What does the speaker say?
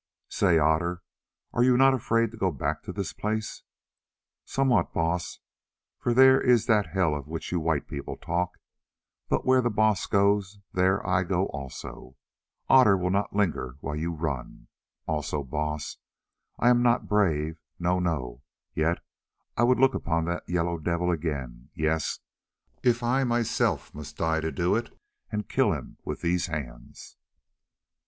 "Say, Otter, are you not afraid of going back to this place?" "Somewhat, Baas, for there is that hell of which you white people talk. But where the Baas goes there I can go also; Otter will not linger while you run. Also, Baas, I am not brave, no, no, yet I would look upon that Yellow Devil again, yes, if I myself must die to do it, and kill him with these hands."